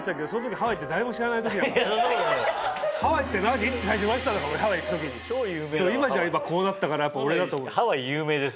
ハワイって何？って最初言われてたんだから俺ハワイ行く時にでも今じゃこうなったからやっぱ俺だと思う。